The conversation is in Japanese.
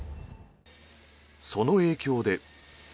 その影響で。